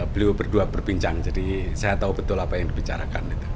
beliau berdua berbincang jadi saya tahu betul apa yang dibicarakan